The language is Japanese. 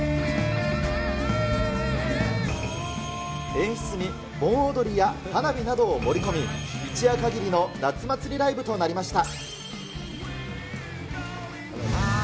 演出に盆踊りや花火などを盛り込み、一夜限りの夏祭ライブとなりました。